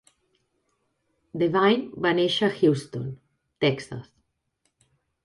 Devine va néixer a Houston, Texas.